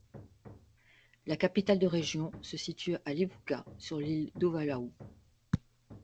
La capitale de région se situe à Levuka sur l'île d'Ovalau.